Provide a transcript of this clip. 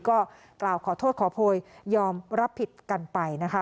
ก็กล่าวขอโทษขอโพยยอมรับผิดกันไปนะคะ